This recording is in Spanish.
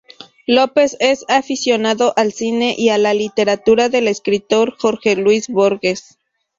López es aficionado al cine y a la literatura del escritor Jorge Luis Borges.